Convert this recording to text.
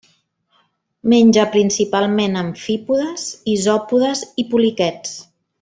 Menja principalment amfípodes, isòpodes i poliquets.